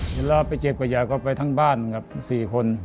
เวลาไปเก็บขยะก็ไปทั้งบ้านครับ๔คน